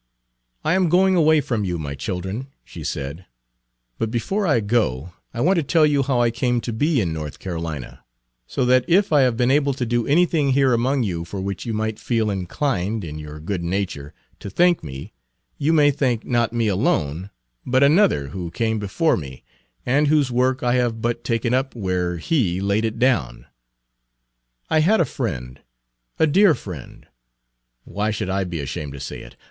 "I am going away from you, my children," she said; "but before I go I want to tell you how I came to be in North Carolina; so that if I have been able to do anything here among Page 166 you for which you might feel inclined, in your good nature, to thank me, you may thank not me alone, but another who came before me, and whose work I have but taken up where he laid it down. I had a friend, a dear friend, why should I be ashamed to say it?